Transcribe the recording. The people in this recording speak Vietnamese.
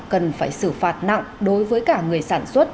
cần phải xử phạt nặng đối với cả người sản xuất